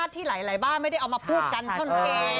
ที่หลายบ้านไม่ได้เอามาพูดกันต้องเอง